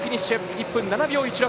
１分７秒１６。